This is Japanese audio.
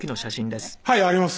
はいあります。